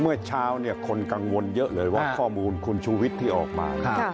๑เมื่อเช้าคนกังวลเยอะเลยว่าข้อมูลคุณชุวิตที่ออกมา